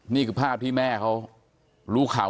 นี่คือภาพที่แม่เขารู้ข่าว